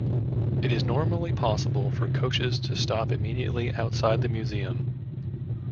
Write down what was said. It is normally possible for coaches to stop immediately outside the museum.